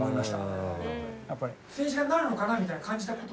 政治家になるのかなみたいに感じた事は。